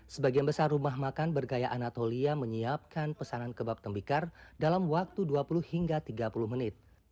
sebagian besar rumah makan bergaya anatolia menyiapkan pesanan kebab tembikar dalam waktu dua puluh hingga tiga puluh menit